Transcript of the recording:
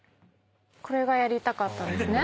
これがやりたかったんですね。